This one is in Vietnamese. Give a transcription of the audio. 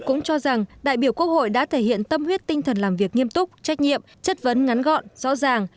cũng cho rằng đại biểu quốc hội đã thể hiện tâm huyết tinh thần làm việc nghiêm túc trách nhiệm chất vấn ngắn gọn rõ ràng